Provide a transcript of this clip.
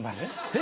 え？